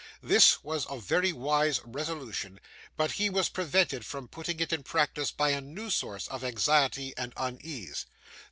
This was a very wise resolution, but he was prevented from putting it in practice by a new source of anxiety and uneasiness.